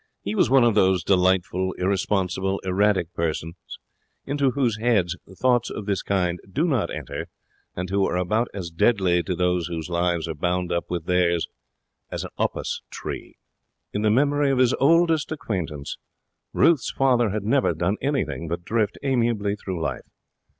He was one of those delightful, irresponsible, erratic persons whose heads thoughts of this kind do not enter, and who are about as deadly to those whose lives are bound up with theirs as a Upas tree. In the memory of his oldest acquaintance, Ruth's father had never done anything but drift amiably through life.